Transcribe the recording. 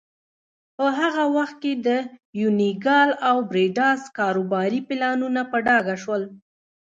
په هغه وخت کې د یونیکال او بریډاس کاروباري پلانونه په ډاګه شول.